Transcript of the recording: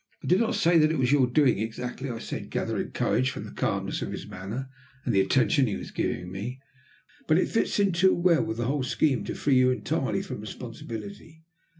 "I do not say that it was your doing exactly," I said, gathering courage from the calmness of his manner and the attention he was giving me. "But it fits in too well with the whole scheme to free you entirely from responsibility.